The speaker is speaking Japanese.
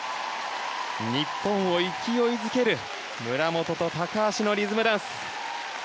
日本を勢いづける村元と高橋のリズムダンス。